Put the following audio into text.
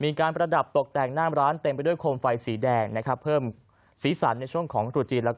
มีการประดับตกแตกลามร้านเต็มไปด้วยโคมไฟสีแดงเพิ่มสีสันในช่วงของภูตจีน